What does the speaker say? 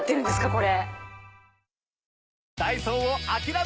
⁉これ。